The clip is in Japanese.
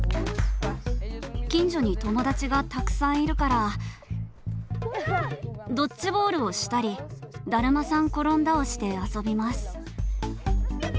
近所に友だちがたくさんいるからドッジボールをしたりだるまさん転んだをして遊びます。